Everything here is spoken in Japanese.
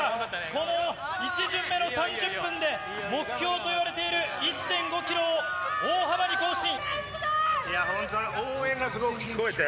この１巡目の３０分で目標といわれている１．５ｋｍを大幅に更新！